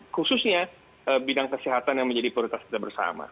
khususnya bidang kesehatan yang menjadi prioritas kita bersama